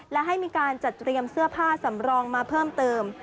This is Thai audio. และให้มีการจัดเตรียมเสื้อผ้าสำรองมาเพิ่มเติม